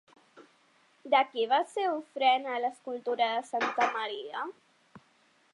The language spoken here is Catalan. De qui va ser ofrena l'escultura de santa Maria?